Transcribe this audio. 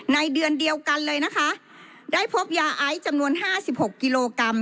ในเดือนเดียวกันเลยนะคะได้พบยาไอซ์จำนวน๕๖กิโลกรัม